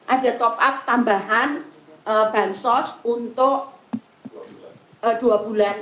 ada top up tambahan bahan sos untuk dua bulan